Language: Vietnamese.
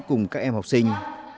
cùng các em học đường